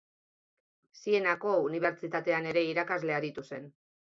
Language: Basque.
Sienako unibertsitatean ere irakasle aritu zen.